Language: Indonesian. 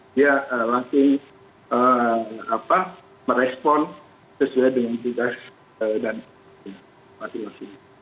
dia langsung merespon sesuai dengan tugas dan masing masing